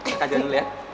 kakak jalan dulu ya